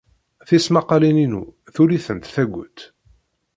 Tismaqqalin-inu tuli-tent tagut.